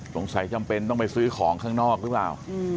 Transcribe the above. จำเป็นต้องไปซื้อของข้างนอกหรือเปล่า